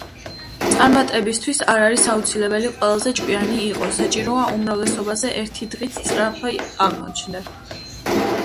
წარმატებისთვის არ არის აუცილებელი ყველაზე ჭკვიანი იყო, საჭიროა, უმრავლესობაზე ერთი დღით სწრაფი აღმოჩნდე.”